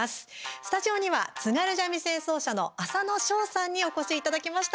スタジオには津軽三味線奏者の浅野祥さんにお越しいただきました。